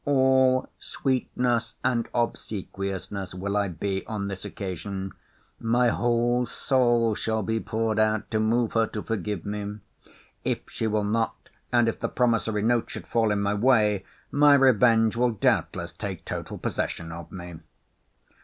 All sweetness and obsequiousness will I be on this occasion. My whole soul shall be poured out to move her to forgive me. If she will not, and if the promissory note should fall in my way, my revenge will doubtless take total possession of me.